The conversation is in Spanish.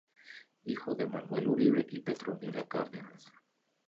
Hijo de Manuel Uribe y Petronila Cárdenas.